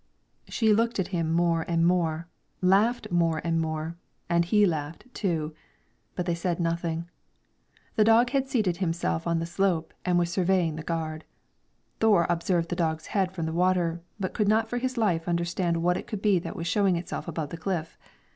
She looked at him more and more, laughed more and more, and he laughed, too; but they said nothing. The dog had seated himself on the slope, and was surveying the gard. Thore observed the dog's head from the water, but could not for his life understand what it could be that was showing itself on the cliff above.